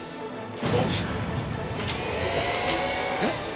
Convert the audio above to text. えっ？